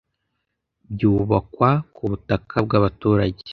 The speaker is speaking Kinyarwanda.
byubakwa ku butaka bw abaturage